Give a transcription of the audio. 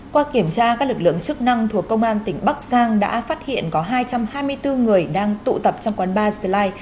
qua kiểm tra các lực lượng chức năng thuộc công an tỉnh bắc giang đã phát hiện có hai trăm hai mươi bốn người đang tụ tập trong quán bar sli